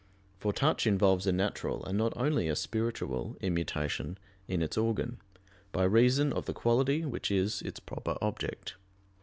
For touch involves a natural, and not only a spiritual, immutation in its organ, by reason of the quality which is its proper object.